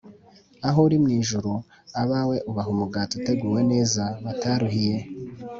aho uri mu ijuru, abawe ubaha umugati uteguwe neza bataruhiye,